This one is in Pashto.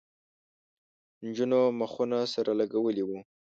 نجونو مخونه سره لگولي وو.